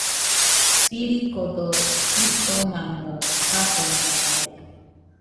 Sirikodo jitomamo safenaitade.